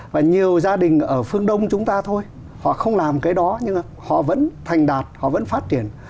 và nhiều gia đình ở phương đông chúng ta thôi họ không làm cái đó nhưng họ vẫn thành đạt họ vẫn phát triển